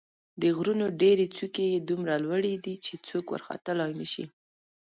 د غرونو ډېرې څوکې یې دومره لوړې دي چې څوک ورختلای نه شي.